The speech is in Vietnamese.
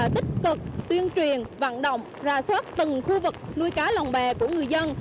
tích cực tuyên truyền vận động ra soát từng khu vực nuôi cá lồng bè của người dân